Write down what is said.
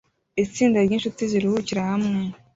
Itsinda ryinshuti ziruhukira hamwe